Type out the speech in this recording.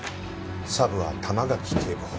サブは玉垣警部補。